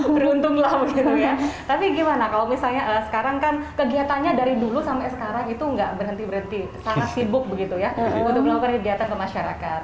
beruntung lah begitu ya tapi gimana kalau misalnya sekarang kan kegiatannya dari dulu sampai sekarang itu nggak berhenti berhenti sangat sibuk begitu ya untuk melakukan kegiatan ke masyarakat